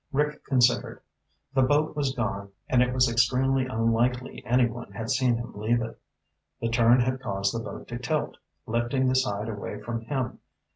Rick considered. The boat was gone, and it was extremely unlikely anyone had seen him leave it. The turn had caused the boat to tilt, lifting the side away from him.